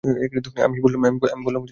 আমি বললুম, হাঁ ঠিক।